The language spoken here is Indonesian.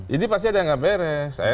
ini pasti ada yang nggak beres